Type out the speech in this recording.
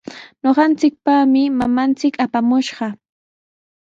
Ñuqanchikpaqmi mamanchik apamushqa.